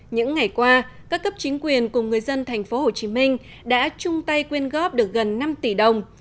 những ngày qua các cấp chính quyền cùng người dân tp hcm đã chung tay quyên góp được gần năm tỷ đồng